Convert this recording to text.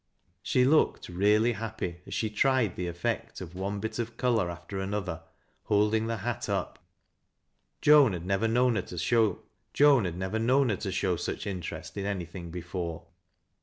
She looked really hajjpy as she tried the effect of one bit of color after Another, holding the hat up. Joan hai] never known her to show such interest in anything before .